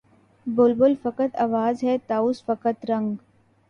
بلبل فقط آواز ہے طاؤس فقط رنگ